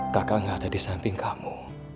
kakak gak ada di samping kamu